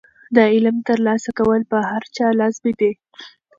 د علم ترلاسه کول په هر چا لازمي دي.